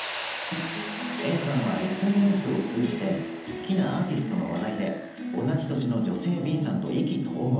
ＡさんはＳＮＳを通じて好きなアーティストの話題で同じ年の女性Ｂさんと意気投合。